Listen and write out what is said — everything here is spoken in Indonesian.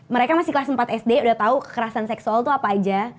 mereka masih kelas empat sd udah tahu kekerasan seksual itu apa aja